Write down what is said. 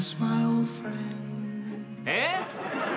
えっ！？